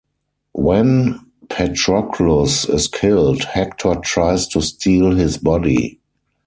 When Patroclus is killed, Hector tries to steal his body.